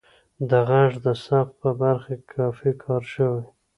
د غږ د ثبت په برخه کې کافی کار شوی